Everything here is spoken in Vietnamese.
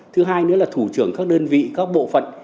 thứ hai nữa là thủ trưởng các đơn vị các bộ phận